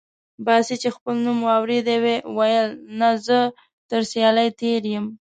باسي چې خپل نوم واورېد وې ویل: نه، زه تر سیالۍ تېر یم.